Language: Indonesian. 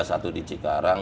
satu di cikarang